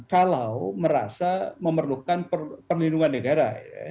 kalau merasa memerlukan perlindungan negara